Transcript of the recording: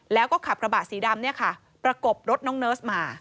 แล้วก็ขับกระบะสีดำเนี่ยค่ะประกบรถน้องเนิร์สมา